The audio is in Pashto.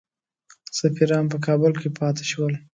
سفیران په کابل کې پاته شول.